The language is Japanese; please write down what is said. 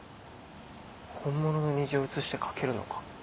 本物の虹を映して描けるのか。